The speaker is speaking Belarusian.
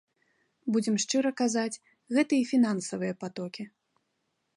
Будзем шчыра казаць, гэта і фінансавыя патокі.